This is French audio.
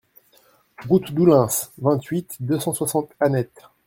Route d'Oulins, vingt-huit, deux cent soixante Anet